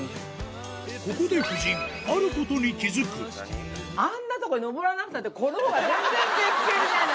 ここで夫人、あることに気付あんな所へ登らなくたって、このほうが全然絶景じゃない！